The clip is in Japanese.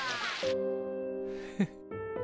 フッ。